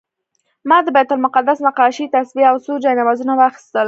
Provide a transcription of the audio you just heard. ما د بیت المقدس نقاشي، تسبیح او څو جانمازونه واخیستل.